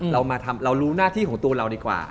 เรารู้หน้าที่ของตัวเราดีกว่า